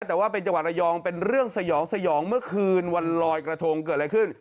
แต่ว่าเป็นจังหวัดระยองเป็นเรื่องสยองสยองเมื่อคืนวันลอยกระทงเกิดอะไรขึ้น